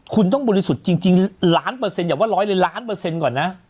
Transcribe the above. คุณต้องบริสุทธิ์จริงล้านเปอร์เซ็นอย่าว่าร้อยเลยล้านเปอร์เซ็นต์ก่อนนะ